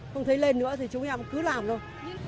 không thấy lên nữa thì chúng em cứ làm thôi